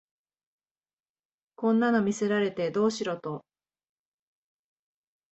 こんなの見せられてどうしろと